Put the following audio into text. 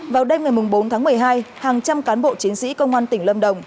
vào đêm ngày bốn tháng một mươi hai hàng trăm cán bộ chiến sĩ công an tỉnh lâm đồng